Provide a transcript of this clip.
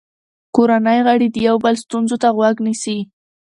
کورنۍ غړي د یو بل ستونزو ته غوږ نیسي